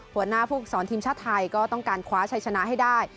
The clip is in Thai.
หัวหน้าผู้ฝึกสอนทีมชาติไทยก็ต้องการคว้าชัยชนะให้ได้